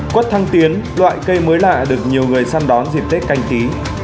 quất thăng tiến loại cây mới lạ được nhiều người săn đón dịp tết canh tí